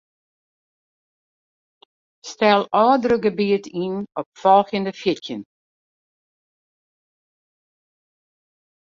Stel ôfdrukgebiet yn op folgjende fjirtjin.